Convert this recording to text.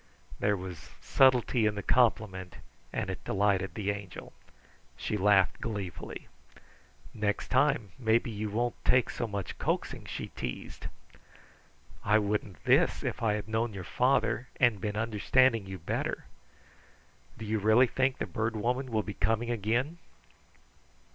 There was subtlety in the compliment and it delighted the Angel. She laughed gleefully. "Next time, maybe you won't take so much coaxing," she teased. "I wouldn't this, if I had known your father and been understanding you better. Do you really think the Bird Woman will be coming again?"